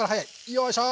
よいしょ！